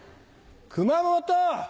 熊本！